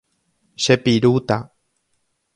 Chepirúta.